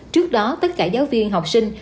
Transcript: trước đó tất cả giáo viên học sinh